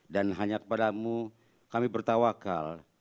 dan hanya kepada mu kami bertawakal